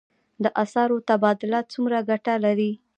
د اسعارو تبادله څومره ګټه لري؟